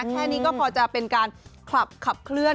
แค่นี้ก็พอจะเป็นการขับเคลื่อน